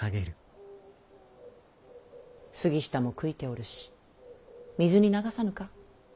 杉下も悔いておるし水に流さぬか？